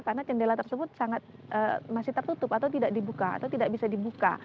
karena cendela tersebut masih tertutup atau tidak bisa dibuka